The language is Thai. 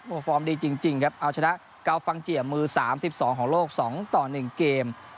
โอ้โหฟอร์มดีจริงครับเอาชนะกาวฟังเจียมือ๓๒ของโลก๒ต่อ๑เกม